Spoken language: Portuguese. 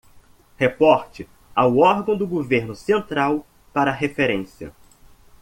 Reporte ao órgão do governo central para referência